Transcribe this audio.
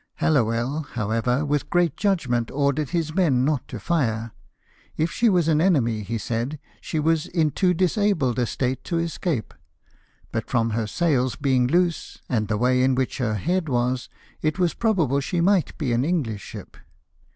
Hallowell, however, with great judgment, ordered his men not to fire ; if she was an enemy, he said, she was in too disabled a state to escape ; but from her sails being loose, and the way in which her head was, it was probable she might be an English ship.